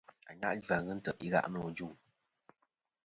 Ànyajua ghɨ ntè' i gha' nô ajuŋ.